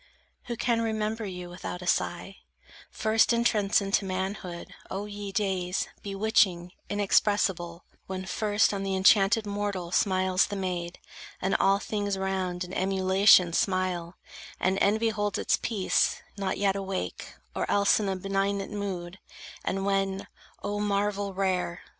Who can remember you without a sigh, First entrance into manhood, O ye days Bewitching, inexpressible, when first On the enchanted mortal smiles the maid, And all things round in emulation smile; And envy holds its peace, not yet awake, Or else in a benignant mood; and when, —O marvel rare!